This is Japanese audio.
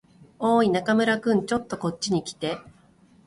おーい、中村君。ちょっとこっちに来て。